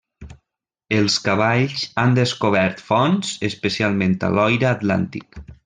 Els cavalls han descobert fonts, especialment a Loira Atlàntic.